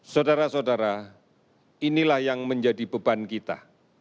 saudara saudara inilah yang menjadi beban kita